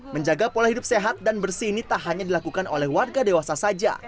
menjaga pola hidup sehat dan bersih ini tak hanya dilakukan oleh warga dewasa saja